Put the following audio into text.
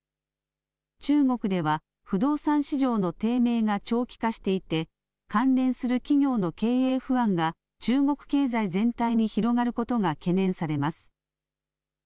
中国では不動産市場の低迷が長期化していて関連する企業の経営不安が中国経済全体に広がることが懸念されます。